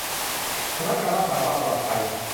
พนักงานรักษาความปลอดภัย